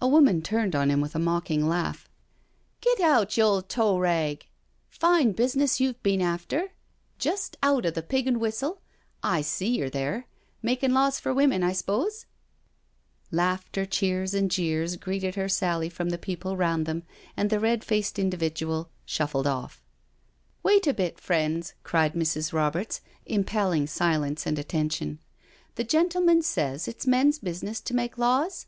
A woman turned on him with a mocking laugh :" Git out, you old tow rag I Fine business you've bin after. Just out of the * Pig an' Whistle '— I see yer there — a makin' laws for women, I s'posel" Laughter, cheers, and jeers greeting her sally from the people round them, and the red faced individual shuffled off. " Wait a bit, friends," cried Mrs. Roberts, impelling silence and attention; " the gentleman says it's men's business to make laws?"